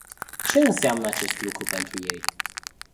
Ce înseamnă acest lucru pentru ei?